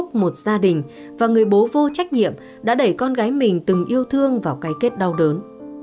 trang đã tìm ra một gia đình và người bố vô trách nhiệm đã đẩy con gái mình từng yêu thương vào cái kết đau đớn